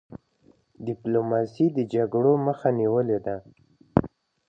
ډيپلوماسی د جګړو مخه نیولې ده.